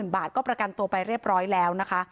บาทก็ประกันตัวไปเรียบร้อยแล้วนะคะ